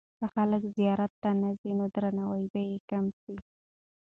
که خلک زیارت ته نه ورځي، نو درناوی به یې کم سي.